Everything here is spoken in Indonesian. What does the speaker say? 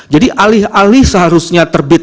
jadi alih alih seharusnya terbit